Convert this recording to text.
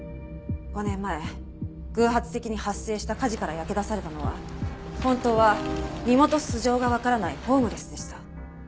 ５年前偶発的に発生した火事から焼け出されたのは本当は身元素性がわからないホームレスでした。